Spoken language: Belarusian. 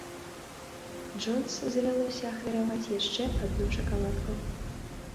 Джонс завялося ахвяраваць яшчэ адну шакаладку.